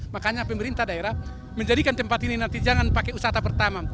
makanya pemerintah daerah menjadikan tempat ini nanti jangan pakai usata pertama